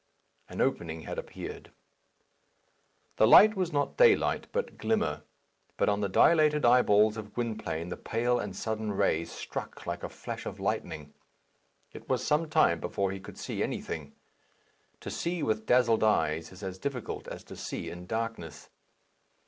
An opening had appeared. The light was not daylight, but glimmer; but on the dilated eyeballs of Gwynplaine the pale and sudden ray struck like a flash of lightning. It was some time before he could see anything. To see with dazzled eyes is as difficult as to see in darkness.